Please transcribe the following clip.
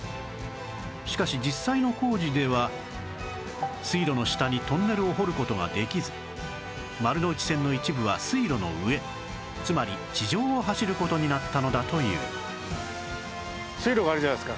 しかし実際の工事では水路の下にトンネルを掘る事ができず丸ノ内線の一部は水路の上つまり地上を走る事になったのだという